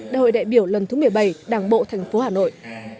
đại hội đại biểu lần thứ một mươi bảy đảng bộ thành phố hà nội